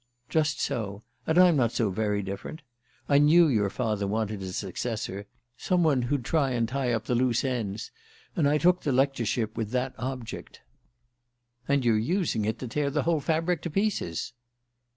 "Just so. And I'm not so very different. I knew your father wanted a successor some one who'd try and tie up the loose ends. And I took the lectureship with that object." "And you're using it to tear the whole fabric to pieces!"